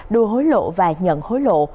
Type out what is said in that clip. đua hối lộ và nhận hối lộ